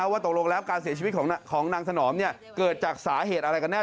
ว่าตกลงแล้วการเสียชีวิตของนางถนอมเกิดจากสาเหตุอะไรกันแน่